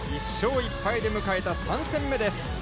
１勝１敗で迎えた３戦目です。